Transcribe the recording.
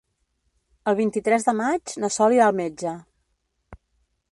El vint-i-tres de maig na Sol irà al metge.